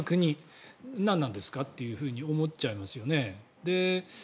何なんですかっていうふうに思っちゃいますよね。